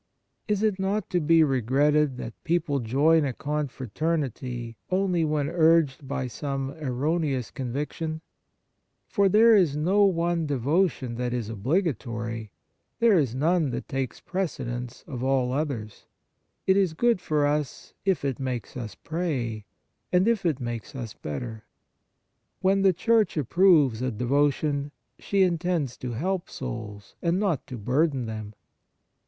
Is it not to be regretted that people join a con fraternity only when urged by some erroneous conviction ? For there is no one devotion that is obligatory ; there is none that takes precedence of all others ; it is good for us, if it makes us pray, and if it makes us better. When the Church approves a devotion, she intends to help souls, and not to burden them.